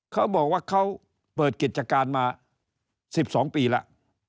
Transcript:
เขาบอกว่าเขาเปิดกิจการมา๑๒ปีแล้ว